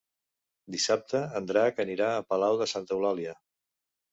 Dissabte en Drac anirà a Palau de Santa Eulàlia.